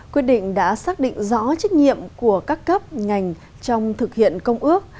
quyết định đã xác định rõ trách nhiệm của các cấp ngành trong thực hiện công ước